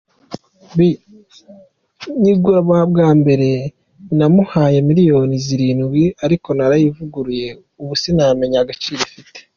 B: Nyigura bwa mbere namuhaye miliyoni zirindwi, ariko narayivuguruye, ubu sinamenya agaciro ifite.